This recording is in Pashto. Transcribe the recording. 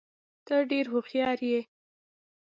ته ډېر هوښیار یې.